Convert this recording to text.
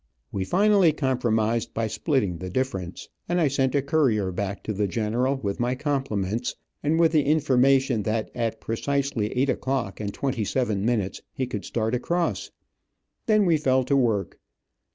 We finally compromised by splitting the difference, and I sent a courier back to the general, with my compliments, and with the information that at precisely eight o clock and twenty seven minutes he could start across. Then we fell to work.